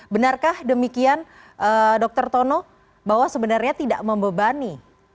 benarkah demikian dr tono bahwa sebenarnya tidak membebani